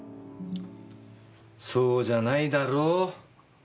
そうじゃないだろう？